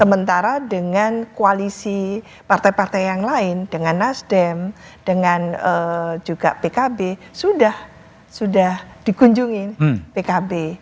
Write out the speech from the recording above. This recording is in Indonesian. sementara dengan koalisi partai partai yang lain dengan nasdem dengan juga pkb sudah dikunjungi pkb